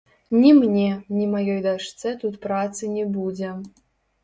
Ні мне, ні маёй дачцэ тут працы не будзе.